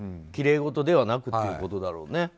きれいごとではなくということだろうね。